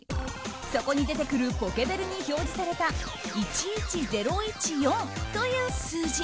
そこに出てくるポケベルに表示された「１１０１４」という数字。